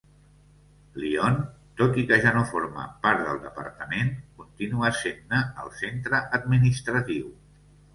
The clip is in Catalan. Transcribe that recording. Lyon, tot i que ja no forma part del departament, continua sent-ne el centre administratiu.